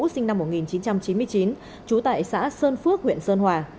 sinh năm một nghìn chín trăm chín mươi chín trú tại xã sơn phước huyện sơn hòa